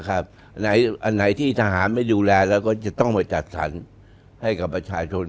อันไหนที่ทหารไม่ดูแลจะมาจัดสรรค์ให้ประชาชน